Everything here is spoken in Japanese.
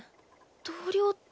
同僚って。